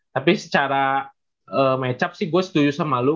tapi secara match up sih gue setuju sama lo